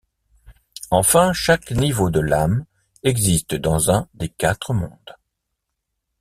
Enfin, chaque niveau de l'âme existe dans un des quatre mondes.